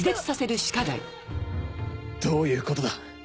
どういうことだ！？